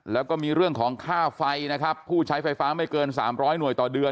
แล้วก็มีเรื่องของค่าไฟนะครับผู้ใช้ไฟฟ้าไม่เกิน๓๐๐หน่วยต่อเดือน